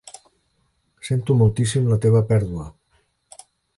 Sento moltíssim la teva pèrdua.